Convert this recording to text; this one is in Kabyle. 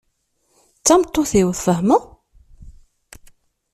D tameṭṭut-iw, tfahmeḍ?